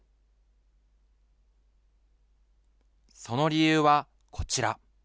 その理由は、こちら。